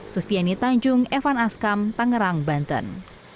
sufiani tanjung evan askam tangerang banten